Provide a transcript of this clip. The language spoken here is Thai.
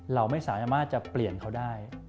เราไม่สามารถจะเปลี่ยนเขาได้